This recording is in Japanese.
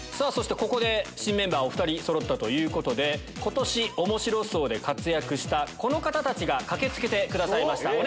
そしてここで新メンバーお２人そろったということで今年『おもしろ荘』で活躍したこの方たちが駆け付けてくださいました！